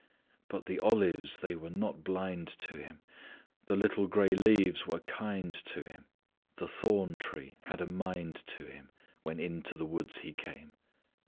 But the olives they were not blind to Him, The little gray leaves were kind to Him; The thorn tree had a mind to Him When into the woods He came.